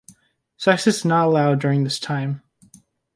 Sex is not allowed during this time.